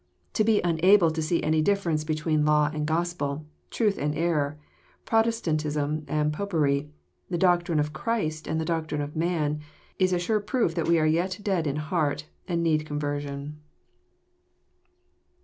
To be unable to see any difference be tween law and gospel, truth and error. Protestantism and Popery, the doctrine of Christ and the doctrine of man, is a sure proof that we are yet dead in heart, and need conversion.